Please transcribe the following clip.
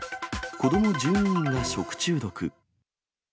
子ども１２人が食中毒。